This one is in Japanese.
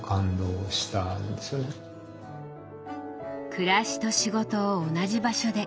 暮らしと仕事を同じ場所で。